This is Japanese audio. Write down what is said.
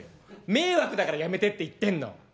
迷惑だからやめてって言ってんの。